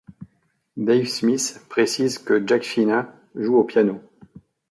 Dave Smith précise que Jack Fina joue au piano.